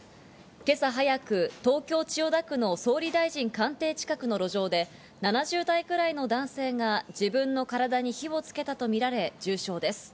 今朝早く、東京・千代田区の総理大臣官邸近くの路上で、７０代くらいの男性が自分の体に火をつけたとみられ重傷です。